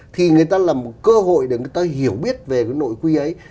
thì người ta là một cơ hội để người ta hiểu biết về cái nội quy ấy